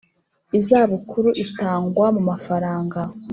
izabukuru itangwa mu mafaranga,